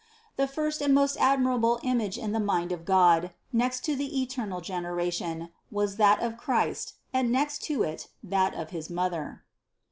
The first and most ad mirable image in the mind of God, next to the eternal generation, was that of Christ and next to it, that of his Mother.